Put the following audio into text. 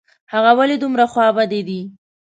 هغه ولي دومره خوابدې ده ؟